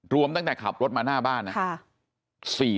รวมตั้งแต่ขับรถมาหน้าบ้านนะ